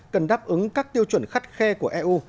cần đáp ứng các tiêu chuẩn khắt khe của eu